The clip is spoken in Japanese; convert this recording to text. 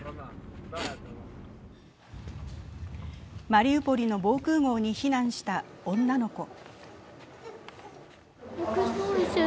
マリウポリの防空ごうに避難した女の子。